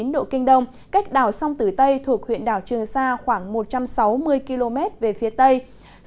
một trăm một mươi tám độ kinh đông cách bờ biển nam trung bộ khoảng một trăm bảy mươi km về phía đông